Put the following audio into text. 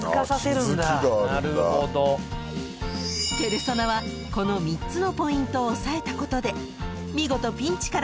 ［ペルソナはこの３つのポイントを押さえたことで見事ピンチから脱出することに成功したんです］